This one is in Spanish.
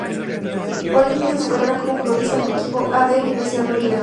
Oli empezó su carrera como futbolista en el equipo A. D. Universidad de Oviedo.